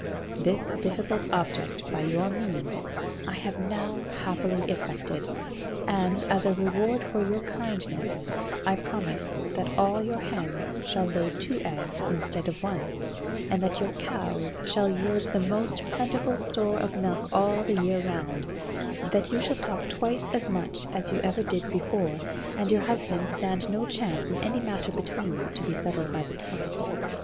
This difficult object, by your means, I have now happily effected, and, as a reward for your kindness, I promise that all your hens shall lay two eggs instead of one, and that your cows shall yield the most plentiful store of milk all the year round, that you shall talk twice as much as you ever did before, and your husband stand no chance in any matter between you to be settled by the tongue.